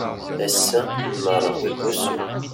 Ass-a nmerreɣ deg usu.